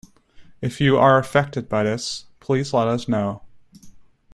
If you are affected by this, please let us know.